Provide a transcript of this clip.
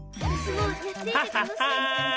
ハッハッハ。